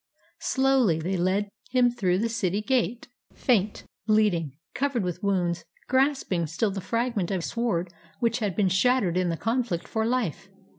Slowly they led him through the city gate, faint, bleeding, covered with wounds, grasping still the fragment of sword which had been shattered in the conflict for life.